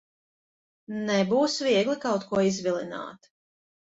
Nebūs viegli kaut ko izvilināt.